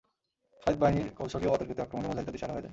খালিদ বাহিনীর কৌশলী ও অতর্কিত আক্রমণে মুজাহিদরা দিশেহারা হয়ে যায়।